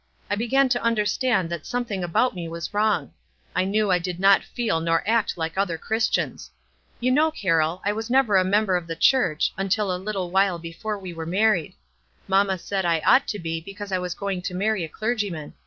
I began to understand that something about me was wrong. I knew I did not feel u«jr act like other Christians. You know, Car WISE AND 0THEBWI8E. 343 roll, I was never a member of the church until a little while before we were married. Mamma said I ought to be, because I was going to marry a clergyman.